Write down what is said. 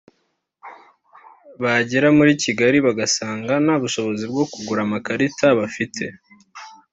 bagera muri Kigali bagasanga nta bushobozi bwo kugura amakarita bafite